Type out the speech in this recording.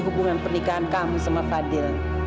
hubungan pernikahan kamu sama fadil